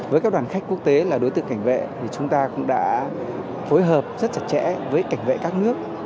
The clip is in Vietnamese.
với các đoàn khách quốc tế là đối tượng cảnh vệ thì chúng ta cũng đã phối hợp rất chặt chẽ với cảnh vệ các nước